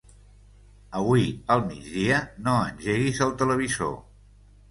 Avui al migdia no engeguis el televisor.